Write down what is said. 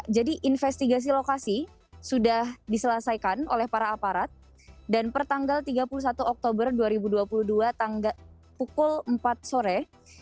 jadi investigasi lokasi sudah diselesaikan oleh para aparat dan per tanggal tiga puluh satu oktober dua ribu dua puluh dua pukul empat sore